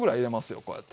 こうやって。